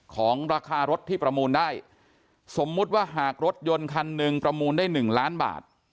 ของราคารถที่ประมูลได้สมมุติว่าหากรถยนต์คันหนึ่งประมูลได้๑ล้านบาท